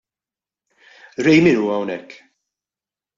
Ray min hu hawnhekk?